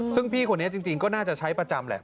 ซึ่งพี่คนนี้จริงก็น่าจะใช้ประจำแหละ